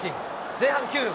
前半９分。